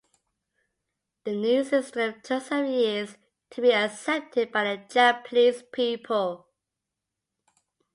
The new system took some years to be accepted by the Japanese people.